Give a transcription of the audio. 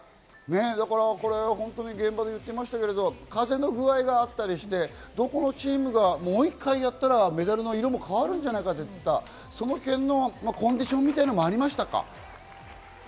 現場で言っていましたけれど、風の具合があったりして、どこのチームがもう１回やったらメダルの色も変わるんじゃないか、その辺のコンディションみたいなのもありましたか？